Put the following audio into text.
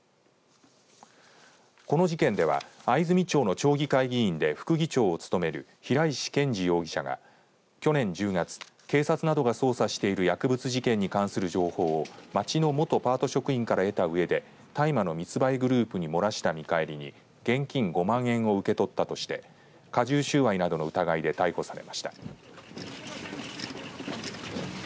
この事件では、藍住町の町議会議員で副議長を務める平石賢治容疑者が去年１０月警察などが捜索している薬物事件に関する情報を町の元パート職員から得たうえで大麻の密売グループに漏らした見返りに現金５万円を受け取ったとして加重収賄などの疑いで逮捕されました。